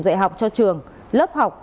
dạy học cho trường lớp học